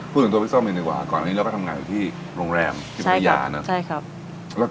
พูดถึงตัวพี่ซ้มอีกหนึ่งดีกว่าก่อนนี้เราก็ทำงานอยู่ที่โรงแรมที่ประยานะ